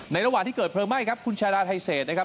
ระหว่างที่เกิดเพลิงไหม้ครับคุณชาราไทเศษนะครับ